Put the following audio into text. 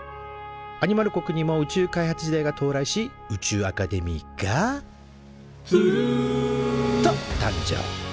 アニマル国にも宇宙開発時代が到来し宇宙アカデミーが「つるん」と誕生。